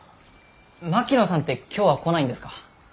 槙野さんって今日は来ないんですか？